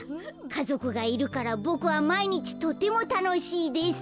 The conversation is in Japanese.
かぞくがいるからボクはまいにちとてもたのしいです」。